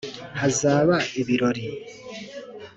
hazaba ibirori